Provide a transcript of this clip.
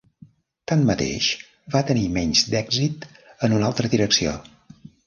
Tanmateix, va tenir menys d'èxit en una altra direcció.